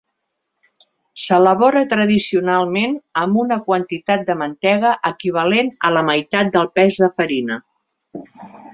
S'elabora tradicionalment amb una quantitat de mantega equivalent a la meitat del pes de farina.